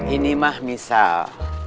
ini mah misal